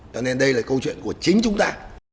cho nên đây là câu chuyện của chính chúng ta